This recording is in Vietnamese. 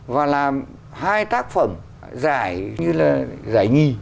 và làm hai tác phẩm giải như là giải nhì